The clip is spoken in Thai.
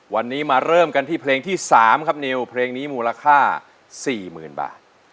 วันนี้มาเริ่มกันที่เพลงที่๓ครับนิวเพลงนี้มูลค่า๔๐๐๐บาท